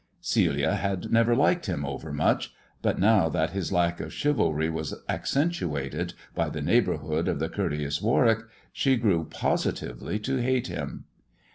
Celia had never ked him over much; but now that his lack of chivalry as accentuated by the neighbourhood of the courteous Warwick, she grew positively to hate him.